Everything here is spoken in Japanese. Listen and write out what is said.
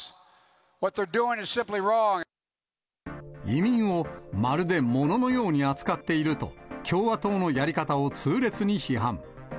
移民をまるでもののように扱っていると、共和党のやり方を痛烈に批判。